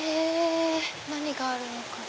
何があるのか。